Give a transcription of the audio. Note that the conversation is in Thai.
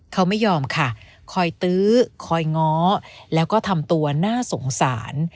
เขาไม่ยอมค่ะคอยตื้อคอยง้อแล้วก็ทำตัวน่าสงสาร